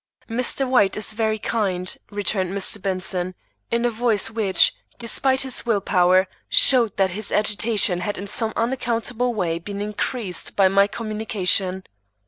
"Mr. White is very kind," returned Mr. Benson, in a voice which, despite his will power, showed that his agitation had in some unaccountable way been increased by my communication.